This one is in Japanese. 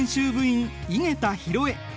員井桁弘恵。